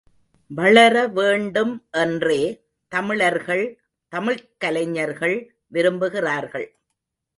வளர வேண்டும் என்றே தமிழர்கள், தமிழ்க் கலைஞர்கள் விரும்புகிறார்கள்.